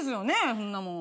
そんなもん。